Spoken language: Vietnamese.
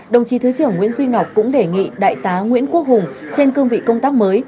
đồng chí thứ trưởng nguyễn duy ngọc cũng đề nghị đại tá nguyễn quốc hùng trên cương vị công tác mới